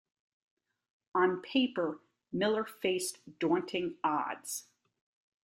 On paper, Miller faced daunting odds.